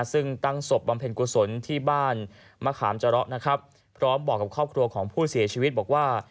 ซึ่งตั้งศพบำเพ็ญกุศลที่บ้านมะขามจราะนะครับพร้อมบอกกับครอบครัวของผู้เสียชีวิตบอกว่า